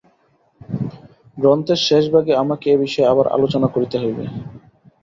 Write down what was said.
গ্রন্থের শেষ ভাগে আমাকে এ বিষয়ে আবার আলোচনা করিতে হইবে।